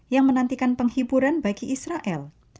yang menantikan penghiburan bagi israel